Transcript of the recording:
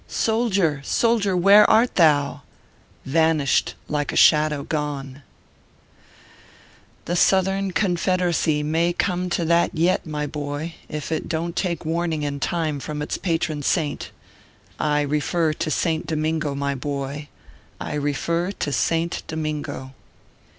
Soldier, soldier, where art thou? Vanished like a shadow gone ! The Southern Confederacy may come to that yet, my boy, if it don t take warning in time from its patron Saint. I refer to Saint Domingo, my boy, I refer to Saint Domingo.